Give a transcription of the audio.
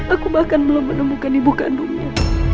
aku bahkan belum menemukan ibu kandungnya